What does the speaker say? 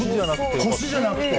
腰じゃなくて。